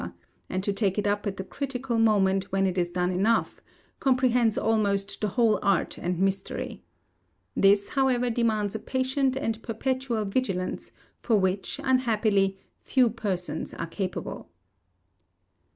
and to take it up at the critical moment when it is done enough comprehends almost the whole art and mystery. This, however, demands a patient and perpetual vigilance, of which, unhappily, few persons are capable.